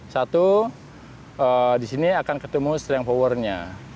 satu di sini akan ketemu strength power nya